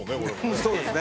そうですね